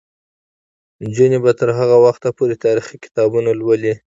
نجونې به تر هغه وخته پورې تاریخي کتابونه لولي.